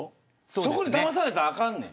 そこにだまされたらあかんねん。